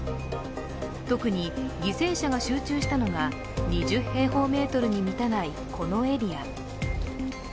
特に犠牲者が集中したのが２０平方メートルに満たない、このエリア。